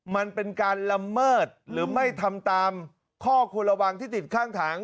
มันเป็นการละเมิดหรือไม่ทำตามข้อควรระวังที่ติดข้างถัง